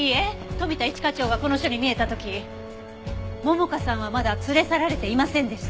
富田一課長がこの署に見えた時桃香さんはまだ連れ去られていませんでした。